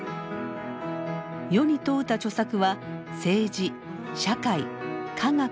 世に問うた著作は政治社会科学